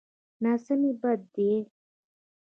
ناسمي بد دی.